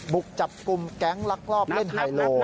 บุกจับกลุ่มแก๊งลักลอบเล่นไฮโล